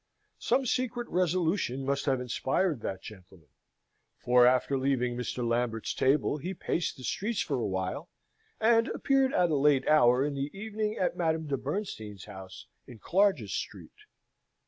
Some secret resolution must have inspired that gentleman, for, after leaving Mr. Lambert's table, he paced the streets for a while, and appeared at a late hour in the evening at Madame de Bernstein's house in Clarges Street.